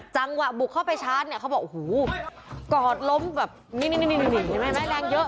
จังหวะบุกเข้าไปชาร์จเนี่ยเขาบอกโอ้โหกอดล้มแบบนี้นี่เห็นไหมแรงเยอะ